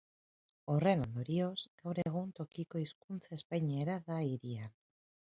Horren ondorioz, gaur egun tokiko hizkuntza espainiera da hirian.